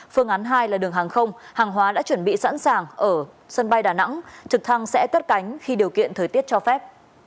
phương án hai là đường hàng không hàng hóa đã chuẩn bị sẵn sàng ở sân bay đà nẵng trực thăng sẽ cất cánh khi điều kiện thời tiết cho phép